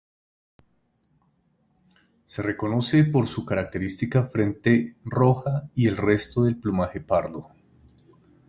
Se reconoce por su característica frente roja y el resto del plumaje pardo.